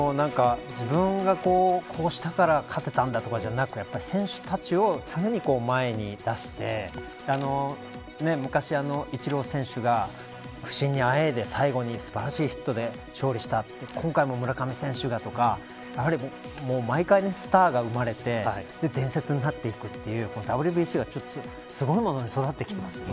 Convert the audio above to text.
自分がこうしたから勝てたんだとかじゃなく選手たちを常に前に出して昔、イチロー選手が不振にあえいで最後に素晴らしいヒットで勝利した今回も村上選手だとか毎回スターが生まれて伝説になっていくというＷＢＣがすごいものに育ってきましたね。